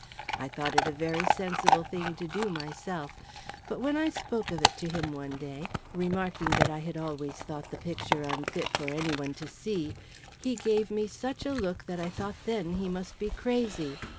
I thought it a very sensible thing to do, myself; but when I spoke of it to him one day, remarking that I had always thought the picture unfit for any one to see, he gave me such a look that I thought then he must be crazy.